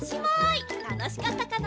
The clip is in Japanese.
たのしかったかな？